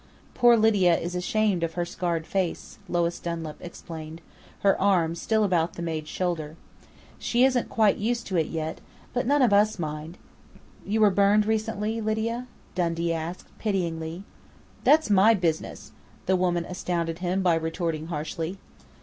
"Poor Lydia is ashamed of her scarred face," Lois Dunlap explained, her arm still about the maid's shoulder. "She isn't quite used to it yet, but none of us mind " "You were burned recently, Lydia?" Dundee asked pityingly. "That's my business!" the woman astounded him by retorting harshly.